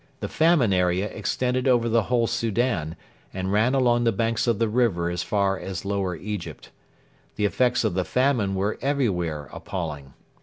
The famine area extended over the whole Soudan and ran along the banks of the river as far as Lower Egypt. The effects of the famine were everywhere appalling.